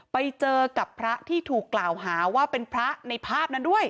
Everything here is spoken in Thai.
ไปเจอกับพระที่ถูกกล่าวหาว่าเป็นพระในภาพนั้นด้วย